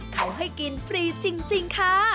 เขาให้กินฟรีจริงค่ะ